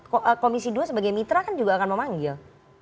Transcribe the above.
komisi dua sebagai mitra kan juga akan memanggil